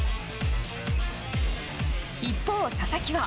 一方、佐々木は。